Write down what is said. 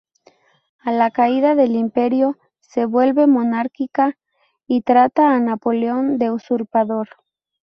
A la caída del Imperio, se vuelve monárquica y trata a Napoleón de usurpador.